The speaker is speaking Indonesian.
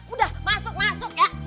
udah masuk masuk ya